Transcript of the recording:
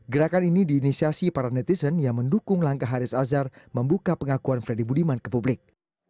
gerakan ini diinisiasi para netizen yang mendukung langkah haris azhar membuka pengakuan freddy budiman ke publik